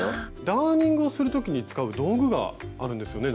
ダーニングをする時に使う道具があるんですよね？